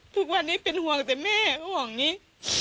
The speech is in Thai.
ทุกวันนี้เป็นห่วงแต่แม่ก็ห่วงอย่างนี้